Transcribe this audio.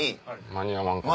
間に合わんかも。